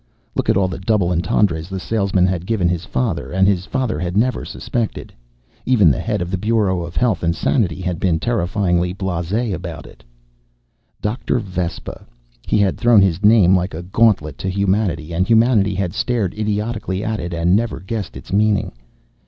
Look at all the double entendres the salesman had given his father, and his father had never suspected. Even the head of the Bureau of Health and Sanity had been terrifyingly blasé about it. Dr. Vespa. He had thrown his name like a gauntlet to humanity, and humanity had stared idiotically at it and never guessed its meaning.